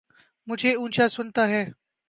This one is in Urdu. مجھے اونچا سنتا ہے